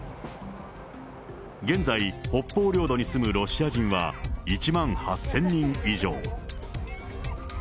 現在、北方領土に住むロシア人は１万８０００人以上。